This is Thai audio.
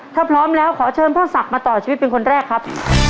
ถ้าพร้อมแล้วขอเชิญพ่อศักดิ์มาต่อชีวิตเป็นคนแรกครับ